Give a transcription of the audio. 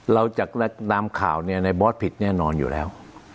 เราจากตามข่าวในบอสผิดแน่นอนอยู่แล้ว